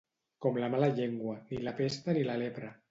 Com la mala llengua, ni la pesta ni la lepra.